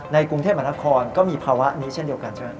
กรุงเทพมหานครก็มีภาวะนี้เช่นเดียวกันใช่ไหม